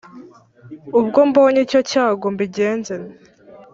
Ubwo mbonye icyo cyago mbigenze ne